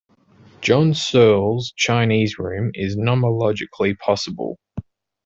John Searle's Chinese room is nomologically possible.